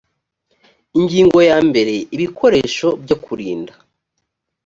ingingo ya mbere ibikoresho byo kurinda